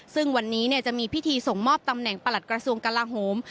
ซึ่งวันนี้จะมีพิธีส่งมอบตำแหน่งประหลัดกระทรวงกลาโหม